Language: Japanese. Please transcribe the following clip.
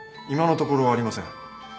今のところありません。